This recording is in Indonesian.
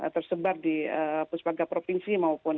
tersebar di puspaga provinsi maupun